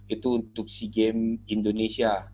itu untuk si game indonesia